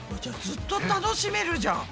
ずっと楽しめるじゃん。